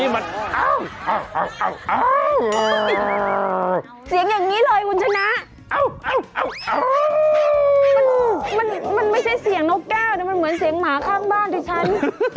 มีเสียงหมาข้างบ้านดิฉัน